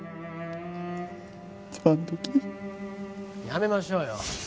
やめましょうよ。